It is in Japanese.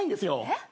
えっ？